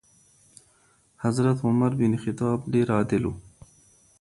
حضرت عمر بن خطاب ډېر عادل و.